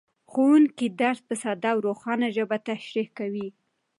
ښوونکی درس په ساده او روښانه ژبه تشریح کوي